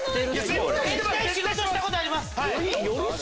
絶対仕事したことあります！